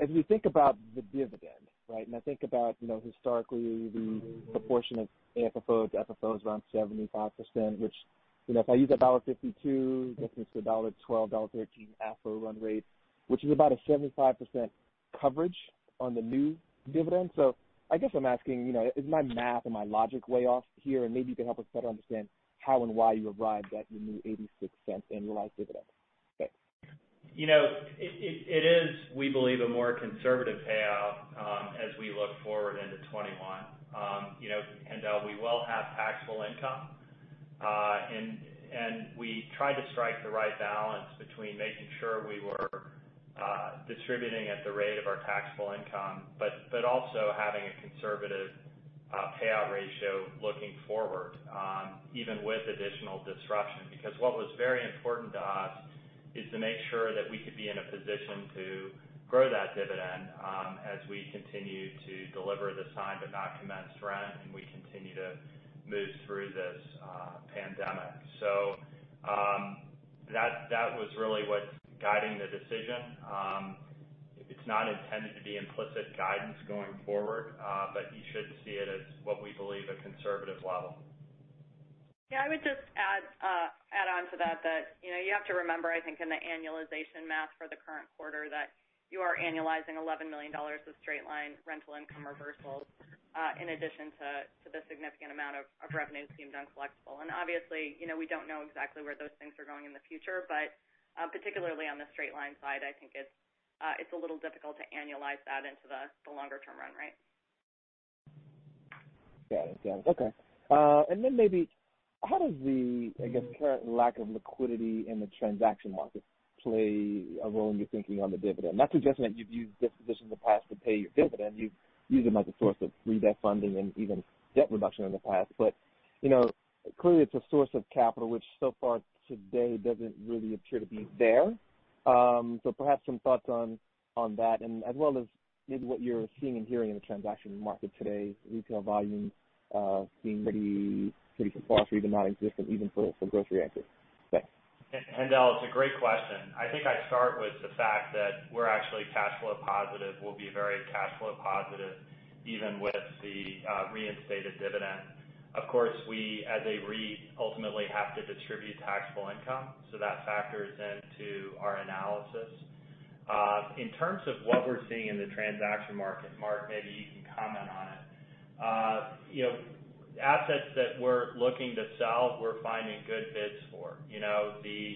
as we think about the dividend, right, and I think about historically, the proportion of AFFO to FFO is around 75%, which, if I use a $1.52, gets me to $1.12, $1.13 FFO run rate, which is about a 75% coverage on the new dividend. I guess I'm asking, is my math and my logic way off here? Maybe you can help us better understand how and why you arrived at your new $0.86 annualized dividend. Thanks. It is, we believe, a more conservative payout as we look forward into 2021. Haendel, we will have taxable income. We tried to strike the right balance between making sure we were distributing at the rate of our taxable income, but also having a conservative payout ratio looking forward, even with additional disruption. What was very important to us is to make sure that we could be in a position to grow that dividend as we continue to deliver the signed but not commenced rent, and we continue to move through this pandemic. That was really what's guiding the decision. It's not intended to be implicit guidance going forward, but you should see it as what we believe a conservative level. Yeah, I would just add onto that, you have to remember, I think in the annualization math for the current quarter, that you are annualizing $11 million of straight-line rental income reversals, in addition to the significant amount of revenue deemed uncollectible. Obviously, we don't know exactly where those things are going in the future, but particularly on the straight-line side, I think it's a little difficult to annualize that into the longer-term run rate. Got it. Okay. Maybe how does the, I guess, current lack of liquidity in the transaction market play a role in your thinking on the dividend? I'm not suggesting that you've used dispositions in the past to pay your dividend. You've used them as a source of re-debt funding and even debt reduction in the past. Clearly it's a source of capital, which so far to date doesn't really appear to be there. Perhaps some thoughts on that and as well as maybe what you're seeing and hearing in the transaction market today, retail volumes being pretty sparse or even non-existent, even for grocery anchors. Thanks. Haendel, it's a great question. I think I'd start with the fact that we're actually cash flow positive, we'll be very cash flow positive even with the reinstated dividend. Of course, we as a REIT ultimately have to distribute taxable income, so that factors into our analysis. In terms of what we're seeing in the transaction market, Mark, maybe you can comment on it. Assets that we're looking to sell, we're finding good bids for. The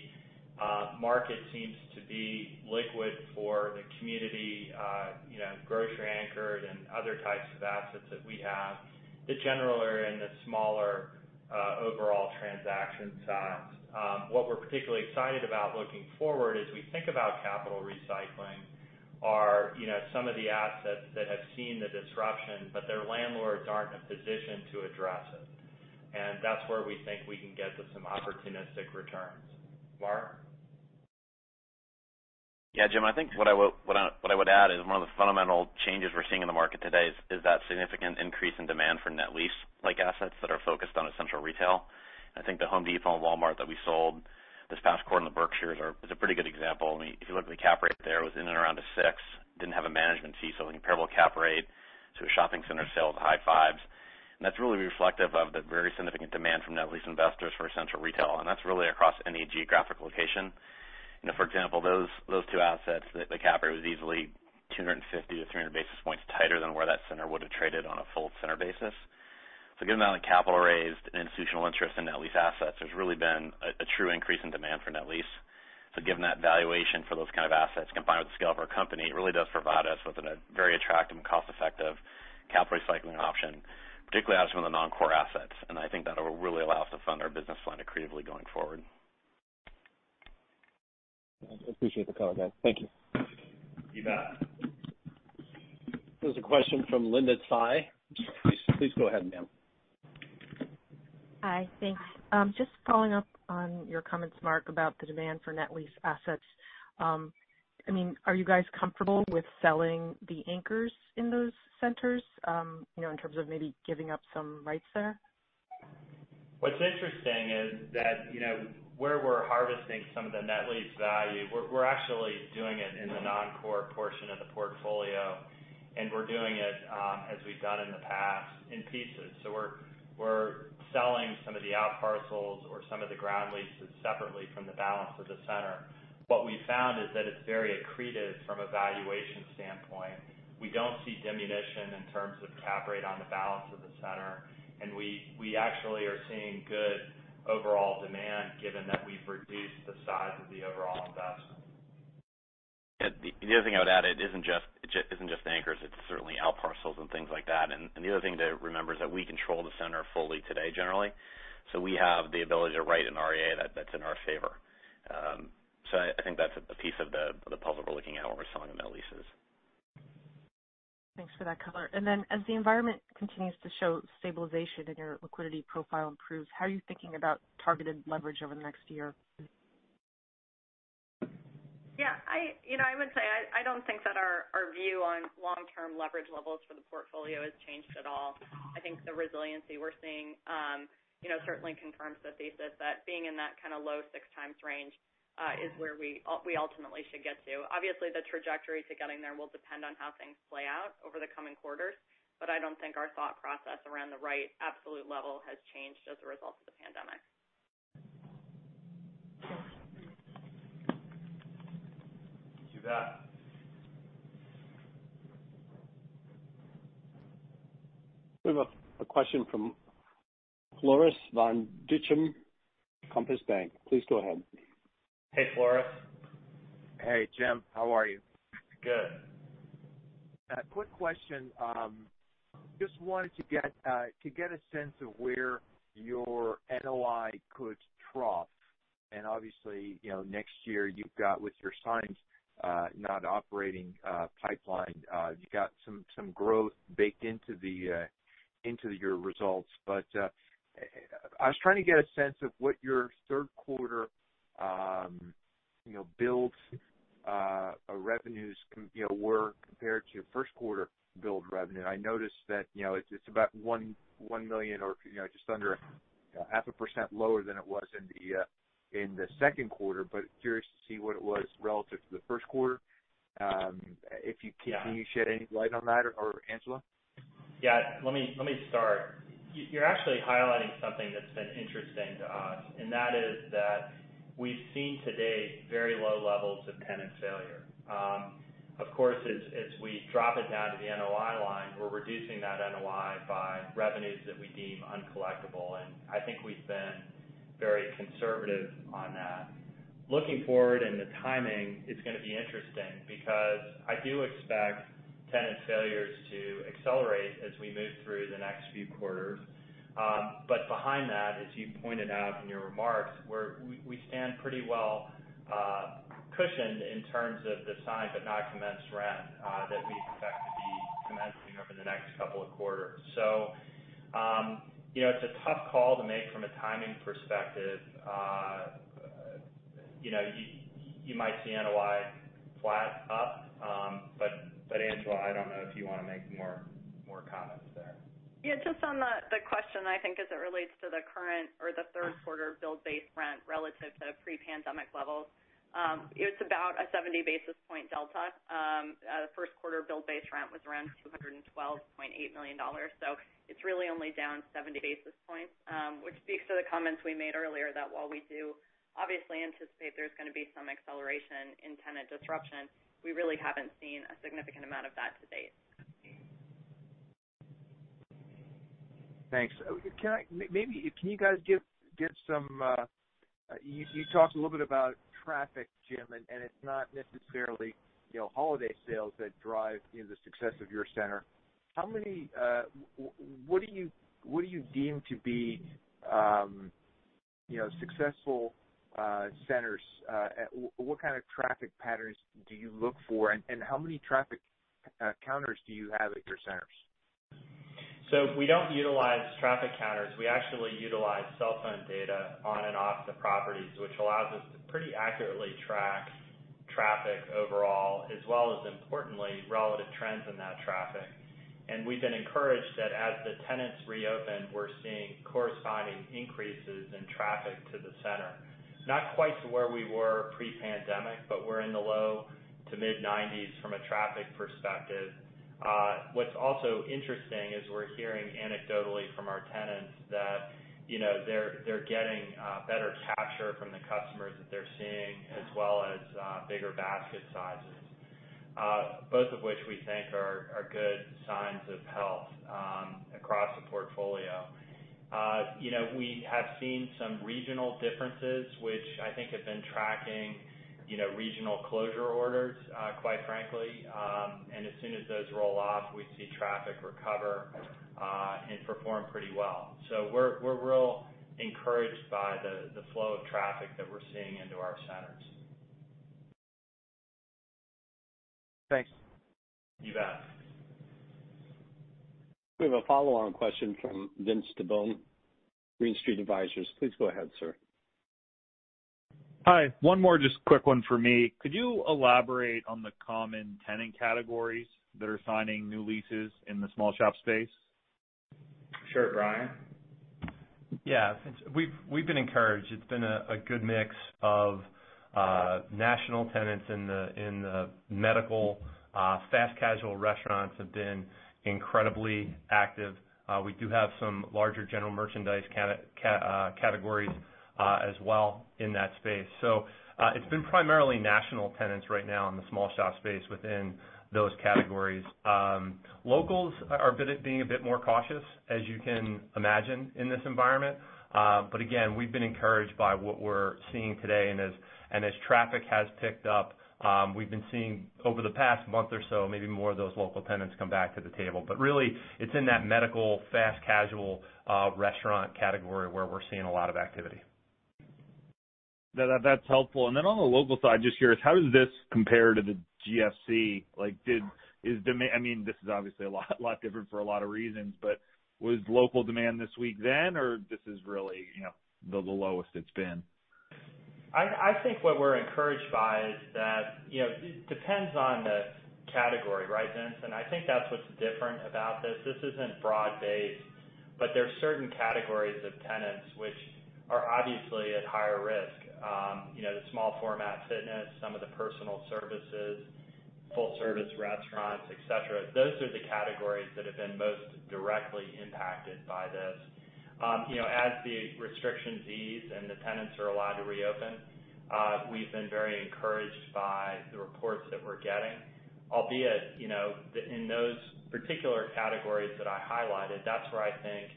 market seems to be liquid for the community, grocery anchored and other types of assets that we have that generally are in the smaller, overall transaction size. What we're particularly excited about looking forward as we think about capital recycling are some of the assets that have seen the disruption, but their landlords aren't in a position to address it. That's where we think we can get to some opportunistic returns. Mark? James, I think what I would add is one of the fundamental changes we're seeing in the market today is that significant increase in demand for net lease-like assets that are focused on essential retail. I think The Home Depot and Walmart that we sold this past quarter in The Berkshires is a pretty good example. I mean, if you look at the cap rate there, it was in and around a 6, didn't have a management fee, so comparable cap rate to a shopping center sale is high 5s. That's really reflective of the very significant demand from net lease investors for essential retail. That's really across any geographic location. For example, those two assets, the cap rate was easily 250 to 300 basis points tighter than where that center would've traded on a full center basis. Given the amount of capital raised and institutional interest in net lease assets, there's really been a true increase in demand for net lease. Given that valuation for those kind of assets combined with the scale of our company, it really does provide us with a very attractive and cost-effective capital recycling option, particularly out of some of the non-core assets. I think that'll really allow us to fund our business plan accretively going forward. I appreciate the color, guys. Thank you. You bet. There's a question from Linda Tsai. Please go ahead, ma'am. Hi, thanks. Just following up on your comments, Mark, about the demand for net lease assets. Are you guys comfortable with selling the anchors in those centers, in terms of maybe giving up some rights there? What's interesting is that where we're harvesting some of the net lease value, we're actually doing it in the non-core portion of the portfolio, and we're doing it, as we've done in the past, in pieces. We're selling some of the outparcels or some of the ground leases separately from the balance of the center. What we've found is that it's very accretive from a valuation standpoint. We don't see diminution in terms of cap rate on the balance of the center, and we actually are seeing good overall demand given that we've reduced the size of the overall investment. The other thing I would add, it isn't just anchors, it's certainly outparcels and things like that. The other thing to remember is that we control the center fully today, generally. We have the ability to write an REA that's in our favor. I think that's a piece of the puzzle we're looking at when we're selling the net leases. Thanks for that color. As the environment continues to show stabilization and your liquidity profile improves, how are you thinking about targeted leverage over the next year? Yeah, I would say I don't think that our view on long-term leverage levels for the portfolio has changed at all. I think the resiliency we're seeing certainly confirms the thesis that being in that kind of low 6x range, is where we ultimately should get to. Obviously, the trajectory to getting there will depend on how things play out over the coming quarters, but I don't think our thought process around the right absolute level has changed as a result of the pandemic. You bet. We have a question from Floris van Dijkum, Compass Point. Please go ahead. Hey, Floris. Hey, James. How are you? Good. Quick question. Just wanted to get a sense of where your NOI could trough. Obviously, next year you've got with your signed, not operating pipeline, you got some growth baked into your results. I was trying to get a sense of what your third quarter billed revenues were compared to first quarter billed revenue. I noticed that it's about $1 million or just under 0.5% lower than it was in the second quarter, but curious to see what it was relative to the first quarter. If you can shed any light on that, or Angela? Yeah. Let me start. You're actually highlighting something that's been interesting to us, and that is that we've seen to date very low levels of tenant failure. Of course, as we drop it down to the NOI line, we're reducing that NOI by revenues that we deem uncollectible, and I think we've been very conservative on that. Looking forward, the timing is going to be interesting because I do expect tenant failures to accelerate as we move through the next few quarters. Behind that, as you pointed out in your remarks, we stand pretty well cushioned in terms of the signed but not commenced rent that we expect to be commencing over the next couple of quarters. It's a tough call to make from a timing perspective. You might see NOI flat up. Angela, I don't know if you want to make more comments there. Yeah, just on the question, I think as it relates to the current or the third quarter billed base rent relative to pre-pandemic levels. It's about a 70 basis point delta. First quarter billed base rent was around $212.8 million. It's really only down 70 basis points, which speaks to the comments we made earlier, that while we do obviously anticipate there's going to be some acceleration in tenant disruption, we really haven't seen a significant amount of that to date. Thanks. You talked a little bit about traffic, James, and it's not necessarily holiday sales that drive the success of your center. What do you deem to be successful centers? What kind of traffic patterns do you look for, and how many traffic counters do you have at your centers? We don't utilize traffic counters. We actually utilize cell phone data on and off the properties, which allows us to pretty accurately track traffic overall, as well as, importantly, relative trends in that traffic. We've been encouraged that as the tenants reopen, we're seeing corresponding increases in traffic to the center. Not quite to where we were pre-pandemic, but we're in the low to mid 90s from a traffic perspective. What's also interesting is we're hearing anecdotally from our tenants that they're getting better capture from the customers that they're seeing, as well as bigger basket sizes. Both of which we think are good signs of health across the portfolio. We have seen some regional differences, which I think have been tracking regional closure orders, quite frankly. As soon as those roll off, we see traffic recover and perform pretty well. We're real encouraged by the flow of traffic that we're seeing into our centers. Thanks. You bet. We have a follow-on question from Vince Tibone, Green Street Advisors. Please go ahead, sir. Hi. One more just quick one from me. Could you elaborate on the common tenant categories that are signing new leases in the small shop space? Sure, Brian. Yeah. We've been encouraged. It's been a good mix of national tenants in the medical. Fast casual restaurants have been incredibly active. We do have some larger general merchandise categories as well in that space. It's been primarily national tenants right now in the small shop space within those categories. Locals are being a bit more cautious, as you can imagine, in this environment. Again, we've been encouraged by what we're seeing today. As traffic has picked up, we've been seeing over the past month or so, maybe more of those local tenants come back to the table. Really, it's in that medical fast casual restaurant category where we're seeing a lot of activity. That's helpful. Then on the local side, just curious, how does this compare to the GFC? This is obviously a lot different for a lot of reasons, but was local demand this weak then, or this is really the lowest it's been? I think what we're encouraged by is that it depends on the category. Right, Vince? I think that's what's different about this. This isn't broad based, but there are certain categories of tenants which are obviously at higher risk. The small format fitness, some of the personal services, full service restaurants, et cetera. Those are the categories that have been most directly impacted by this. As the restrictions ease and the tenants are allowed to reopen, we've been very encouraged by the reports that we're getting. Albeit, in those particular categories that I highlighted, that's where I think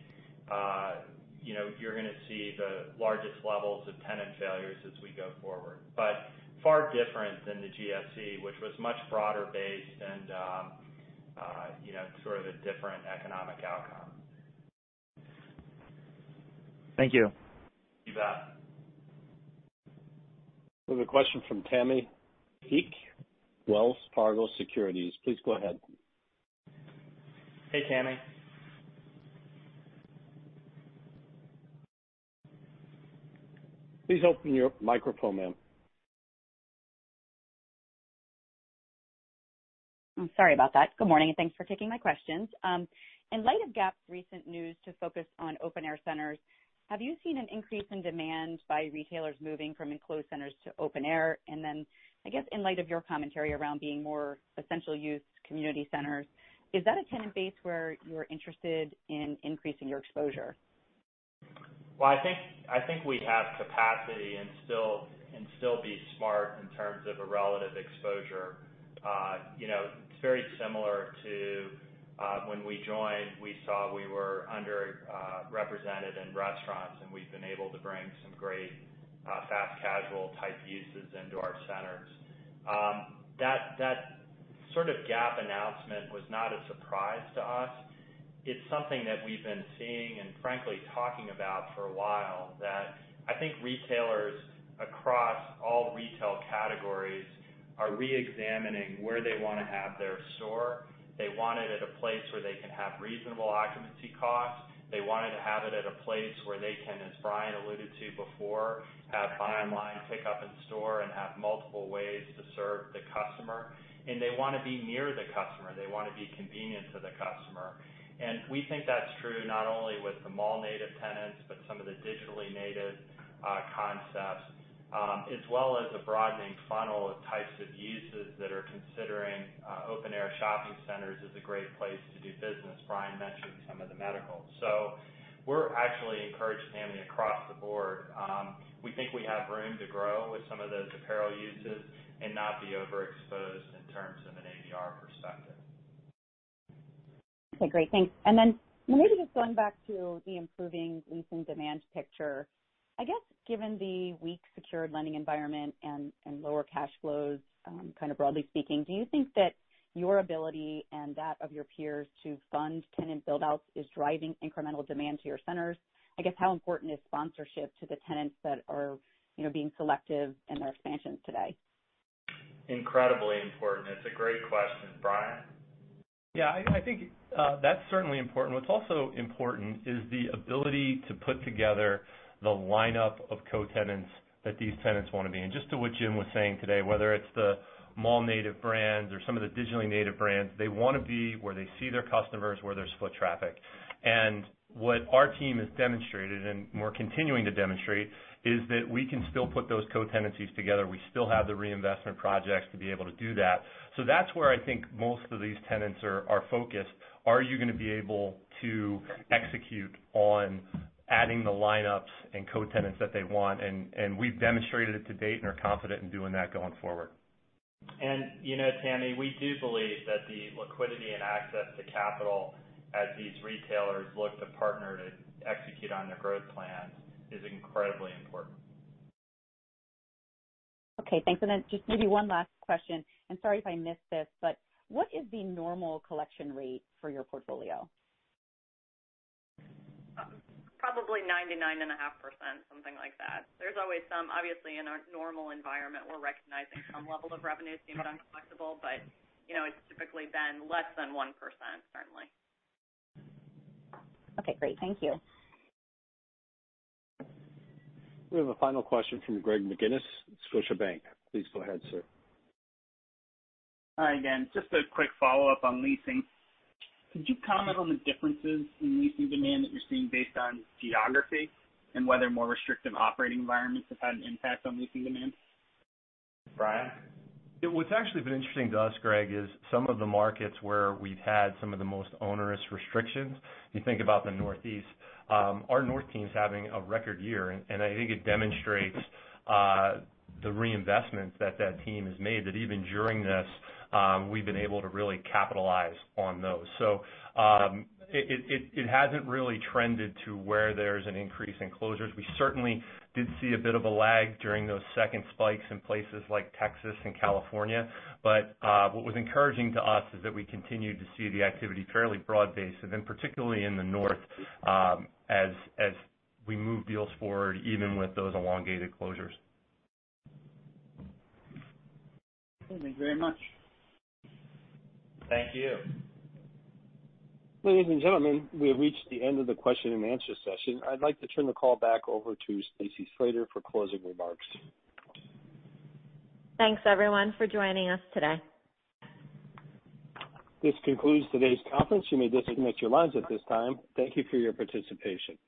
you're going to see the largest levels of tenant failures as we go forward. Far different than the GFC, which was much broader based and sort of a different economic outcome. Thank you. You bet. We have a question from Tammy Fique, Wells Fargo Securities. Please go ahead. Hey, Tammy. Please open your microphone, ma'am. I'm sorry about that. Good morning, and thanks for taking my questions. In light of Gap's recent news to focus on open air centers, have you seen an increase in demand by retailers moving from enclosed centers to open air? I guess in light of your commentary around being more essential use community centers, is that a tenant base where you're interested in increasing your exposure? Well, I think we have capacity and still be smart in terms of a relative exposure. It's very similar to when we joined, we saw we were underrepresented in restaurants, and we've been able to bring some great fast casual type uses into our centers. Sort of Gap announcement was not a surprise to us. It's something that we've been seeing and frankly talking about for a while, that I think retailers across all retail categories are re-examining where they want to have their store. They want it at a place where they can have reasonable occupancy costs. They wanted to have it at a place where they can, as Brian alluded to before, have buy online, pick up in store, and have multiple ways to serve the customer. They want to be near the customer. They want to be convenient to the customer. We think that's true not only with the mall-native tenants, but some of the digitally native concepts, as well as the broadening funnel of types of uses that are considering open air shopping centers as a great place to do business. Brian mentioned some of the medical. We're actually encouraged, Tammy, across the board. We think we have room to grow with some of those apparel uses and not be overexposed in terms of an ABR perspective. Okay, great. Thanks. Maybe just going back to the improving leasing demand picture, I guess given the weak secured lending environment and lower cash flows, kind of broadly speaking, do you think that your ability and that of your peers to fund tenant buildouts is driving incremental demand to your centers? I guess how important is sponsorship to the tenants that are being selective in their expansions today? Incredibly important. It's a great question. Brian? Yeah, I think that's certainly important. What's also important is the ability to put together the lineup of co-tenants that these tenants want to be in. Just to what James was saying today, whether it's the mall native brands or some of the digitally native brands, they want to be where they see their customers, where there's foot traffic. What our team has demonstrated, and we're continuing to demonstrate, is that we can still put those co-tenancies together. We still have the reinvestment projects to be able to do that. That's where I think most of these tenants are focused. Are you going to be able to execute on adding the lineups and co-tenants that they want? We've demonstrated it to date and are confident in doing that going forward. Tammy, we do believe that the liquidity and access to capital as these retailers look to partner to execute on their growth plans is incredibly important. Okay, thanks. Just maybe one last question, and sorry if I missed this, but what is the normal collection rate for your portfolio? Probably 99.5%, something like that. There's always some, obviously in our normal environment, we're recognizing some level of revenue seems uncollectible, but it's typically been less than 1%, certainly. Okay, great. Thank you. We have a final question from Greg McGinniss, Scotiabank. Please go ahead, sir. Hi again. Just a quick follow-up on leasing. Could you comment on the differences in leasing demand that you're seeing based on geography and whether more restrictive operating environments have had an impact on leasing demand? Brian? What's actually been interesting to us, Greg, is some of the markets where we've had some of the most onerous restrictions. You think about the Northeast, our north team's having a record year, and I think it demonstrates the reinvestments that that team has made, that even during this, we've been able to really capitalize on those. It hasn't really trended to where there's an increase in closures. We certainly did see a bit of a lag during those second spikes in places like Texas and California. What was encouraging to us is that we continued to see the activity fairly broad-based, and then particularly in the north, as we move deals forward, even with those elongated closures. Thank you very much. Thank you. Ladies and gentlemen, we have reached the end of the question and answer session. I'd like to turn the call back over to Stacy Slater for closing remarks. Thanks everyone for joining us today. This concludes today's conference. You may disconnect your lines at this time. Thank you for your participation.